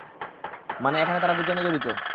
মানে এখানে তারা দুজনেই জড়িত।